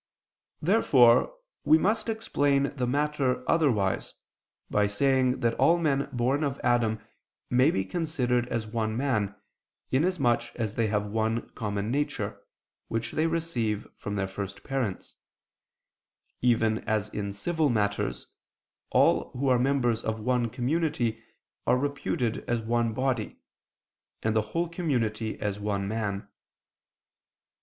Therefore we must explain the matter otherwise by saying that all men born of Adam may be considered as one man, inasmuch as they have one common nature, which they receive from their first parents; even as in civil matters, all who are members of one community are reputed as one body, and the whole community as one man.